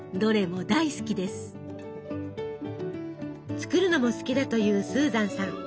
作るのも好きだというスーザンさん。